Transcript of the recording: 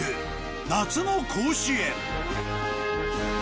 夏の甲子園。